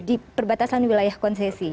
di perbatasan wilayah konsesi